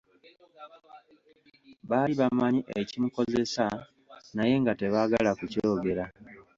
Baali bamanyi ekimukozeza naye nga tebaagala kukyogera.